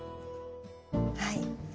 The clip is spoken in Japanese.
はい。